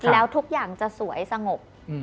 แล้วทุกอย่างจะสวยสงบ